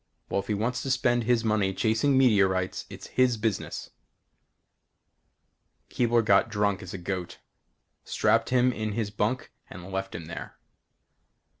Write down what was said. Well, if he wants to spend his money chasing meteorites it's his business. Keebler got drunk as a goat. Strapped him in his bunk and left him there.